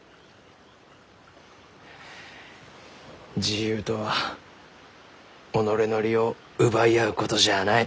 自由とは己の利を奪い合うことじゃあない。